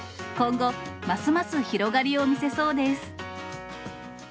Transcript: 今後、ますます広がりを見せそうです。